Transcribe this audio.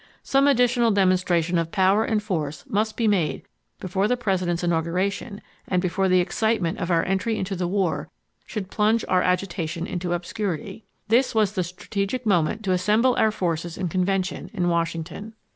Some additional demonstration of power and force must be made before the President's inauguration and before the excitement of our entry into the war should plunge our agitation into obscurity. This was the strategic moment to assemble our forces in convention in Washington.